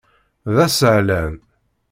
D asehlan.